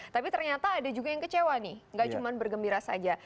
tapi ternyata ada juga yang kecewa nih gak cuma bergembira saja